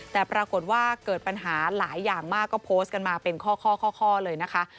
แต่ปรากฏว่าเกิดปัญหาหลายอย่างมากก็โพสต์กันมาเป็นข้อเลยนะคะ